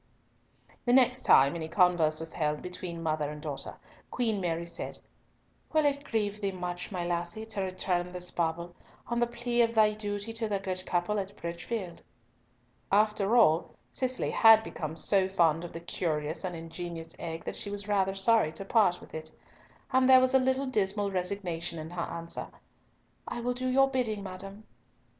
The next time any converse was held between mother and daughter, Queen Mary said, "Will it grieve thee much, my lassie, to return this bauble, on the plea of thy duty to the good couple at Bridgefield?" After all Cicely had become so fond of the curious and ingenious egg that she was rather sorry to part with it, and there was a little dismal resignation in her answer, "I will do your bidding, madam."